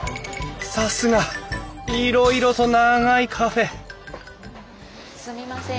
さすがいろいろと長いカフェすみません